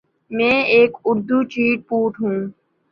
میں ایک Urdu chat bot ہوں۔